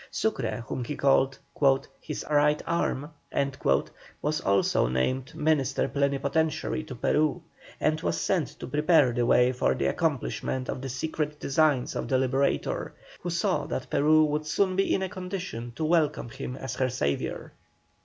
Sucre, whom he called "his right arm," was also named minister plenipotentiary to Peru, and was sent to prepare the way for the accomplishment of the secret designs of the Liberator, who saw that Peru would soon be in a condition to welcome him as her saviour.